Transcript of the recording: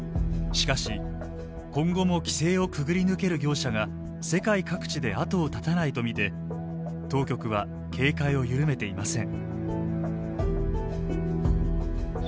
しかし今後も規制をくぐり抜ける業者が世界各地で後を絶たないと見て当局は警戒を緩めていません。